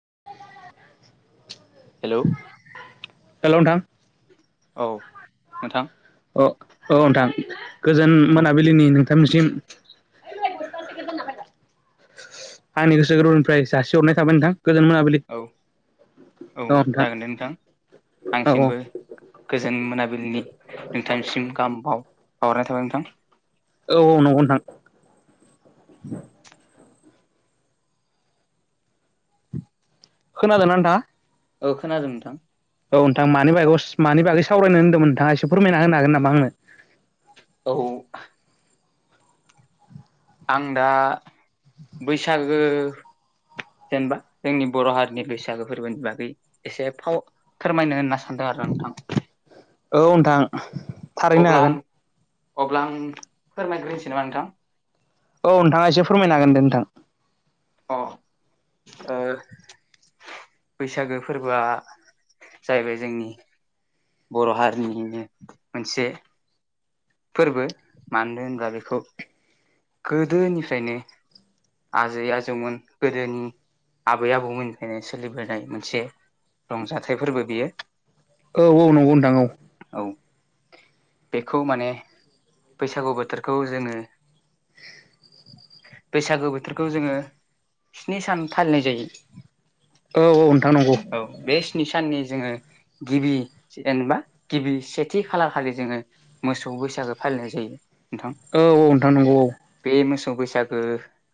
[inaudible] Hello hello नोंथां औ नोंथां अ औ नोंथां गोजोन औ मोनाबिलिनि नोंथांमोननिसिम आंनि गोसो गोरबोनिफ्राय जासि हरनाय थाबाय नोंथां औ [unintelligible] औ जागोन दे नोंथां औ आंनिसिमबो गोजोन मोनाबिलिनि नोंथांसिम गाहाम बाव बावहरनाय थाबाय नोंथां औ औ नंगौ नोंथां [inaudible] खोनादों ना नोंथाङा औ खोनादों नोंथां औ नोंथां मानि बागैस मानि बागै सावरायनो होनदोंमोन नोंथाङा एसे फोरमायना होनो हागोन नामा आंनो औ आं दा बैसागो जेनेबा जोंनि बर' हारिनि बैसागो फोरबोनि बागै एसे फाव फोरमायनो होनना सानदों आरो ना नोंथां औ नोंथां थारहैनो अब्ला आं हागोन अब्ला आं फोरमायग्रोनोसै नामा नोंथां औ नोंथाङा एसे फोरमायनो हागोन दे नोंथां अ आ बैसागो फोरबोआ जाहैबाय जोंनि बर' हारिनिनो मोनसे फोरबो मानो होनोबब्ला बेखौ गोदोनिफ्रायनो आजै आजौमोन गोदोनि आबै आबौमोननिफ्रायनो सोलिबोनाय मोनसे रंजाथाइ फोरबो बियो औ औ नंगौ नोंथां औ औ बेखौ माने बैसागु बोथोरखौ जोङो बैसागो बोथोरखौ जोङो स्नि सान फालिनाय जायो औ औ बे स्नि साननि जोङो गिबि जेनेबा गिबि सेथि खालार खालि जोङो मोसौ बैसा खौ फालिनाय जायो। नोंथां औ औ नोंथां नंगौ औ। बे मोसौ बैसागो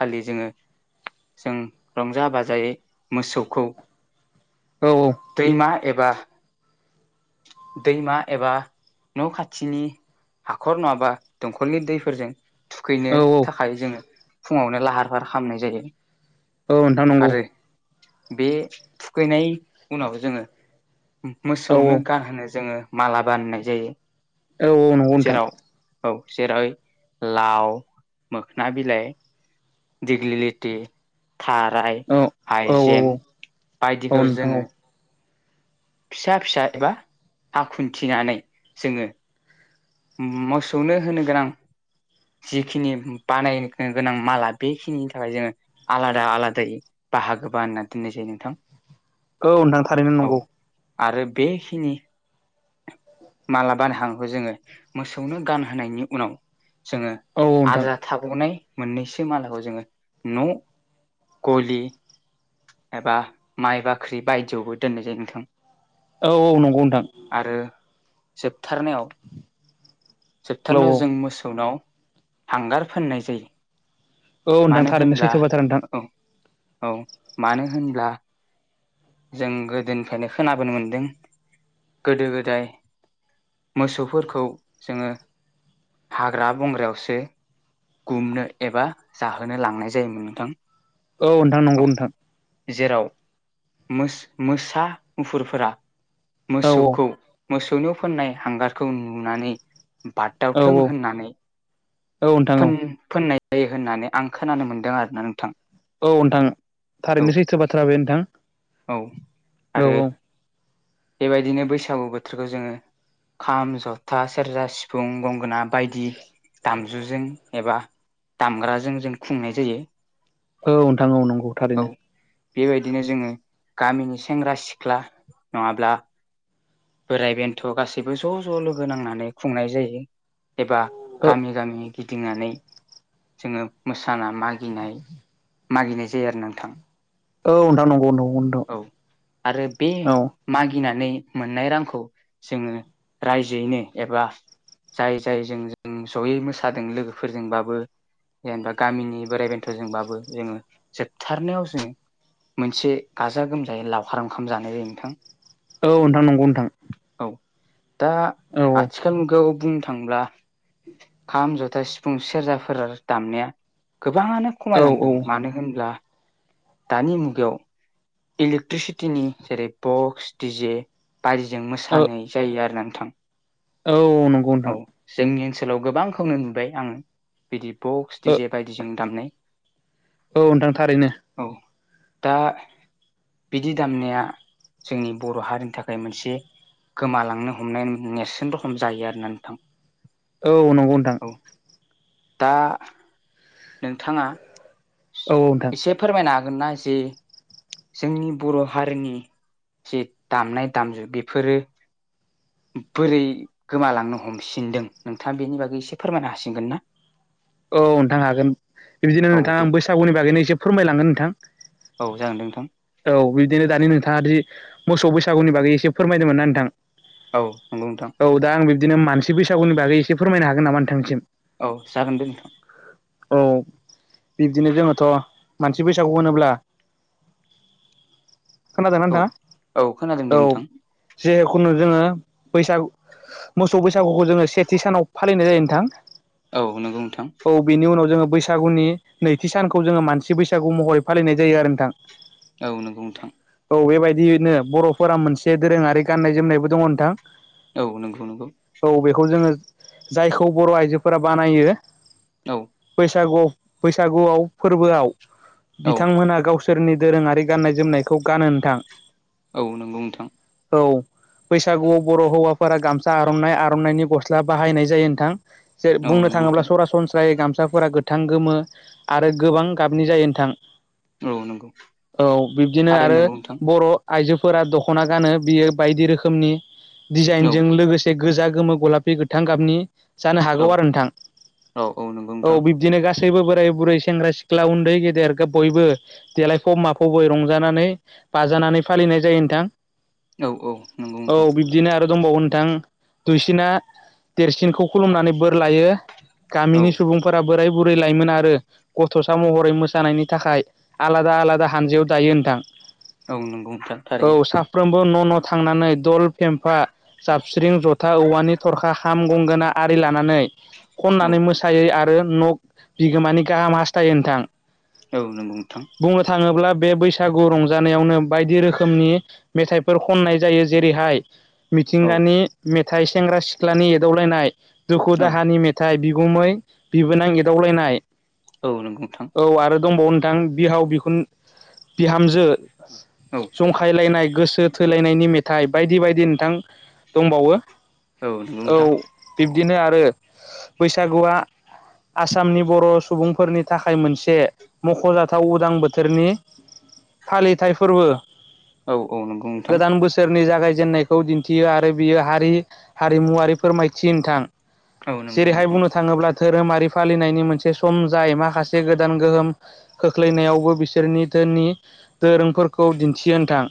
खालि जोङो। जों रंजा बाजायै मोसौखौ औ औ दैमा एबा दैमा एबा न' खाथिनि हाखर नङाबा दंखलनि दैफोरजों थुखैनो थाखाय जोङो फुङावनो लाहार फाहार खालामनाय जायो। औ नोंथां नंगौ। आरो बे थुखैनायनि उनाव जोङो औ नोंथां नंगौ औ मोसौनो गानहोनो जोङो माला बाननाय जायो औ औ नंगौ नोथां जेराव औ जेरै लाव मोखोना बिलाइ दिगलि लटि थाराय औ औ हाइजें औ औ बायदिखौ नोंथां औ जोङो फिसा फिसा एबा आखुथिनानै जोङो मोसौनो होनो गोनां जिखिनि बानायनो गोनां माला बेखिनिनि थाखाय जोङो आलादा आलादायै बाहागोबा होनना दोननाय जायो नोंथां। औ नोंथां थारैनो औ नंगौ आरो बेखिनि मालाबानो हांगौ जोङो मोसौनो गानहोनायनि उनाव जोङो औ औ नोंथां आद्रा थाबावनाय मोननैसो मालाखौ जोङो न' गलि एबा माइ बाख्रि बायदियावबो दोननाय जायो नोंथां। औ औ नंगौ नोंथां आरो जोबथारनायाव औ जोबथारनायाव जों मोसौनाव हांगार फोननाय जायो औ नोंथां मानो थारैनो होनब्ला सैथो बाथ्रा नोंथां औ औ मानो होनब्ला जों गोदोनिफ्रायनो खोनाबोनो मोनदों गोदो गोदाय मोसौफोरखौ जोङो हाग्रा बंग्रायावसो गुमनो एबा जाहोनो लांनाय जायोमोन नोंथां। औ नोंथां औ नंगौ नोंथां। जेराव मोसा मुफुरफोरा औ मोसौखौ मोसौनि फोननाय हांगारखौ नुनानै औ बारदावथों होननानै औ नोंथां औ फोननाय जायो होननानै आं खोनानो मोनदों आरोना नोंथां। औ नोंथां औ थारैनो सैथो बाथ्रा बे नोंथां। औ औ आरो औ। बेबायदिनो बैसागु बोथोरखौ जोङो खाम जथा सेरजा सिफुं गंगोना बायदि दामजुजों एबा दामग्राजों जों खुंनाय जायो। औ नोंथां औ नंगौ औ थारैनो। बेबायदिनो जोङो गामिनि सेंग्रा सिख्ला नङाब्ला। बोराय बेन्थ' गासैबो ज' ज' लोगो नांनानै खुंनाय जायो। एबा औ गामि गामि। गिदिंनानै जोङो मोसाना मागिनाय मागिनाय जायो आरो नोंथां। औ नोंथां नंगौ नंगौ नोंथां औ आरो बे औ मागिनानै। मोननाय रांखौ जोङो रायजोयैनो एबा। जाय जाय जों जों जयै मोसादों लोगोफोरजोंबाबो। जेनेबा गामिनि बोराइ बेन्थ'जोंबाबो जोङो जोबथारनायाव जोङो। मोनसे गाजा गोमजायै लावखार ओंखाम जानाय जायो नोंथां। औ नोंथां नंगौ नोंथां। औ दा औ आथिखाल गाव। बुंनो थांब्ला खाम जथा सिफुं सेरजाफोर दामनाया। गोबाङानो औ औ खमायलांदों मानो होनब्ला दानि मुगायाव। इलेक्ट्रिसिटिनि जेरै बक्स डिजे। बारिजों औ मोसानोय जायो आरो ना नोंथां। औ नंगौ औ नोंथां। जोंनि ओनसोलाव गोबां खौनो नुबाय आङो बिदि बक्स औ डिजे बायदिजों दामनाय। औ नोंथांथारैनो। औ दा बिदि दामनाया जोंनि बर' हारिनि थाख खाय मोनसे गोमालांनो हमनाय न-नेरसोन रखम जायो आरो ना नोंथां। औ नंगौ नोंथां। औ दा नोंथाङा औ नोंथां इसे फोरमायनो हाग गोनना जे जोंनि बर' हारिनि जे दामनाय द दामजु बेफोरो। बोरै गोमालांनो हमसिनदों नोंथाङा बेनि बागै इसे फोरमायनो हासिगोन ना? औ नोंथां हागोन बिदिनो औ दे नोंथाङा बैसागुनि बागैनो एसे फोरमायलांगोन नोंथां। औ जागोनदों नोंथां। औ बिदिनो दानि नोंथाङा दि मोसौ बैसागुनि बागै एसे फोरमायदोंमोन ना नोंथां। औ नंगौ नोंथां। बिदिनो मानसि बैसागुनि बागै इसे फोरमायनो हागोन नामा नोंथांनिसिम। औ जागोन दे नोंथां। औ बिब्दिनो जोङोथ' मानसि फैसागु होनोब्ला। खोनादोंना औ नोंथाङा? औ खोनादों दे औ नोंथां जेहेखुनु जोंङो बैसागु। मोसौ बैसागुखौ जोङो सेथि सानाव फालिनाय जायो नोंथां। औ नोंगौ नोंथां। औ बेनि उनाव जोङो बैसागुनि नैथि सानखौ जोङो मानसि बैसागु महरै फालिनाय जायो आरो नोंथां। औ नोंगौ नोंथां। औ एबायदियैनो बर'फोरा मोनसे दोरोङारि गाननाय जोमनायबो दङ नोंथां। औ नंगौ नंगौ। औ बेखौ जोङो जायखौ बर' आइजोफोरा बानायो औ बैसागु। बैसागुआव फोरबोआव औ बिथांमोनहा गावस सोरनि दोरोङारि गाननाय जोमनायखौ गानो नोंथां। औ नंगौ नोंथां औ बैसागुआव बर' हौवाब--। फोरा गामसा आर'ननाय आर'ननायनि गस्ला बाहायनाय जायो नोंथां जे औ बुंनो नंगौ थाङोब्ला नोंथां सरासनस्रायै गामस फोरा गोथां गोमो आरो गोबां गाबनि जायो नोथां। औ नंगौ औ बिब्दिनो थारैनो आरो नंगौ नोंथां बर'। आइजोफोरा दख'ना गानो बियो बायदि रोखोमनि औ डिजाइनजों लोगोसे गोजा। गोमो गलापि गोथां गाबनि जानो हागौ औ आरो नोंथां औ नंगौ औ नोंथां बिबदिनो गास--। गासैबो बोराय बुरै सेंग्रा सिख्ला उन्दै गेदेर खो बयबो। देलायफब माफबै रंजानानै बाजानानै फालिनाय जायो नोथां। औ औ नंगौ नोंथां। आरो दंबावो नोंथां दुइसिना देरसिनखौ खुलुमनानै बोर--। लायो औ गामिनि सुबुंफोरा बोराय बुरै लायोमोन आरो गथ'सा महरै मोसानायनि थाखाय आलादा आलादा हानजायाव दायो नोंथां औ नंगौ नोंथां औ थारैनो साफ्रोमबो न' न' थांनानै दल फेम्फा जाबस्रिं जथा औवानि थरखा हाम गंगोना आरि लानानै औ खननानै मोसायो आरो न' बिगोमानि गाहाम हास्थायो नोंथां औ नंगौ नोंथां बुंनो थाङोब्ला बे बैसागु रंजानायावनो बायदि रोखोमनि मेथाइफोर खननाय जायो जेरैहाय औ मिथिंगानि मेथाइ सेंग्रा सिख्लानि एदावलायनाय दुखु औ दाहानि मेथाइ बिगुमै बिबोनां एदावलायनाय औ नंगौ नोंथां औ आरो दंबावो नोंथां बिहाव बि बिहामजो औ जंखायलायनाय गोसो थोलायनायनि मेथाइ बायदि बायदि नोंथां दंबावो औ नोंगौ नोंथां बिदिनो आरो बैसागुआ आसामनि बर' सुबुंफोरनि थाखाय मोनसे मख'जा थाव उदां बोथोरनि फालिथाय फोरबो औ औ नंगौ नोंथां नि जागायजेनन्नायखौ दिन्थियो आरो बियो हारि हारिमुवारि फोरमायथि नोंथां औ नंगौ जेरैहाय नोंथां बुंनो थाङोब्ला धोरोमारि फालिनायनि मोनसे सम जाय माखासे गोदान गोहोम खोख्लैनायावबो बिसोरनि धोननि दोरोंफोरखौ दिन्थियो नोंथां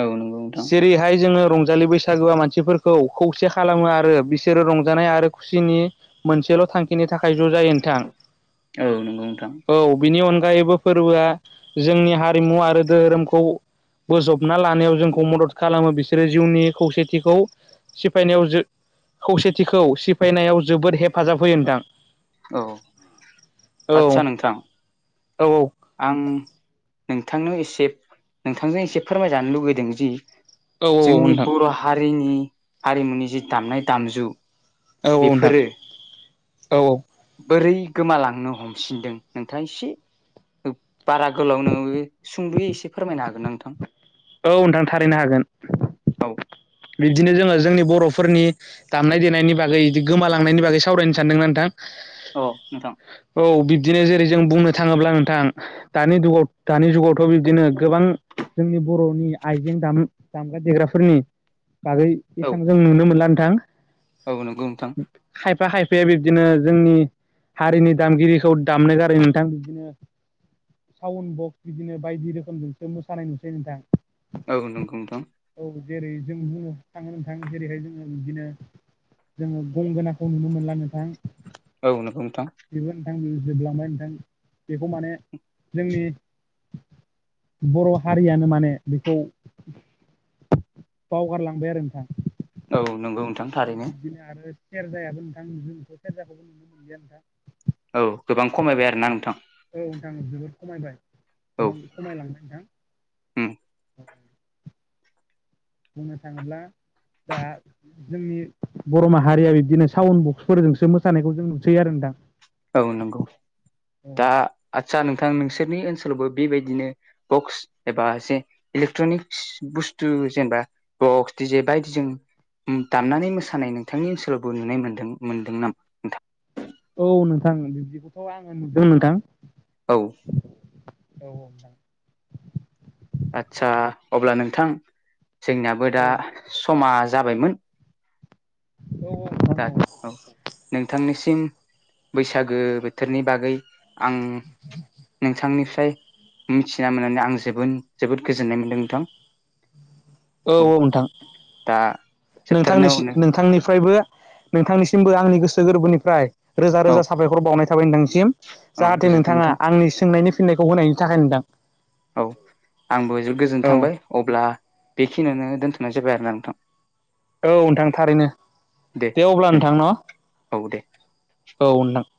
औ नंगौ नोंथां जेरैहाय जोङो रंजालि बैसागुआ मानसि फोरखौ खौसे खालामो आरो बिसोरो रंजानाय आरो खुसिनि मोनसेल' थांखिनि थाखाय ज' जायो नोथां औ नंगौ नोंथां बिनि अनगायैबो फोरबोआ जोंनि हारिमु आरो धोरोमखौ बोजबना लानायाव जोंखौ मदद खालामो बिसोरो जिउनि खौसेथिखौ सिफायनायाव खौसेथिखौ सिफायनायाव जोबोद हेफाजाब होयो नोंथां औ औ आदसा नोंथां औ आं नोंथांनो एसे नोंथांजों एसे फोरमायजानो लुुबैदों जि औ जोंनि नोंथां बर' हारिनि हारिमुनि जि दामनाय दामजु औ औ नोंथां बेफोरो औ औ बोरै गोमालांनो हमफिनदों नोंथाङा एसे बारा गोलाव नोङाबाबो सुंद'यै एसे फोरमायनो हागोन ना नोंथां औ नोंथां थारैनो हागोन औ बिदिनो जोङो जोंनि बर'फोरनि दामनाय देनायनि बागै बिदि गोमालांनायनि बागै सावरायनो सानदों ना नोंथां औ नोंथां औ बिब्दिनो जेरै जों बुंनो थाङोब्ला नोंथां दानि जुगाव दानि जुगावथ' बिब्दिनो गोबां जोंनि बर'नि आइजें दाम दामग्रा देग्राफोरनि बागै औ बेसेबां जों नुनो मोनला नोंथां औ नोंगौ नोंथां बे बिब्दिनो जोंनि हारिनि दामगिरिखौ दामनो गारै नोंथां बिब्दिनो साउन बक्स बिदिनो बायदि रोखोमजोंसो मोसानाय नुसै नोंथां औ नंगौ नोंथां औ जेरै जों बुङो थाङो नों थाङ जेरैहाय जोङो बिदिनो जोङो गल गंगोनाखौ नुनो मोनला नों औ नों नोंथां नोंथां जोबलांबाय नोंथां बेखौ माने जोंनि बर' हारियानो माने बेखौ बावगारलांबाय आरो नोंथां औ नंगौ नोंथां औ थारैनो बिब्दिनो आरो सेरजायाबो नोंथां जोंखौ सेरजाखौबो नुनो मोनैया नोंथां औ गोबां खमायबाय आरोना नोंथां औ नोंथां जोबोद खमायबाय औ गोबां खमायलांबाय नोंथां उम बुंनो थांङोब्ला दा जोंनि बर' माहारिया बिदिनो साउन बक्सफोरजोंसो मोसानायखौ जों नुसैयो आरो नोंथां औ नंगौ दा आतसा नोंथां नोंसोरनि ओनसोलावबो बेबायदिनो बक्स एबा एसे इलेक्ट्रनिक्स बुस्थु जेनेबा बक्स दिजे बायदिजों दाननानै मोसानाय नोंथांनि ओनसोलावबो नुनाय मोनदों मोनदों नामा नोंथांङा औ नोंथां बिदिखौथ' आंङो नुदों नोंथां औ औ - औ आदसा अब्ला नोंथां जोंनियाबो दा नोंथां समाज जाबायमोन औ दा नोंथां औ नोंथांनिसिम बैसागो बोथोरनि बागै आं नोंथांनि आफ्राय मिथिना मोननानै आं जजोबोद गोजोननाय मोनदों नोंथां औ - औ नोंथां दा नोंथांनिसि जोबथारनायावनो नोंथांनिफ्रायबो नोंथांनिसिमबो आंनि गोसो गोरबोनिफ्राय रोजा औ रोजा साबायखर बावनाय थाबाय नोंथांसिम औ जाहाथे गोजोन्थों नोंथां नोंथांङा आंनि सोंनायनि फिननायखौ होनायनि थाखाय नोंथां औ आंबो गोजोन औ थांबाय अब्ला बेखिनियावनो दोनथ'नाय जाबाय आरोना नोंथां औ नोंथां थारैनो दे अब्ला नोंथां न औ दे औ नोंथां